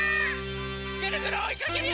ぐるぐるおいかけるよ！